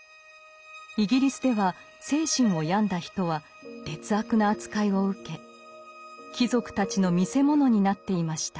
イギリスでは精神を病んだ人は劣悪な扱いを受け貴族たちの見せ物になっていました。